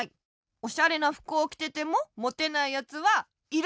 おしゃれなふくをきててもモテないやつはいる！